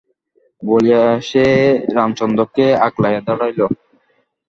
বলিয়া সে রামচন্দ্রকে আগলাইয়া দাঁড়াইল।